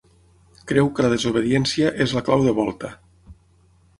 Creu que la desobediència és la clau de volta.